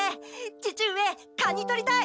父上カニとりたい！